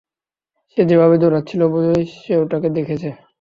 সে যেভাবে দৌড়াচ্ছিল, বোধহয় সে ওটাকে দেখেছে।